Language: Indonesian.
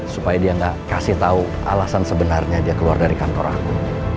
supaya dia nggak kasih tahu alasan sebenarnya dia keluar dari kantor aku